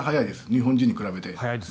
日本人に比べて。